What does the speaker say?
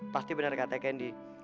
pasti bener kata candy